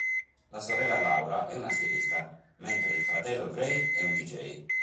La sorella Laura è una stilista, mentre il fratello Gray è un deejay.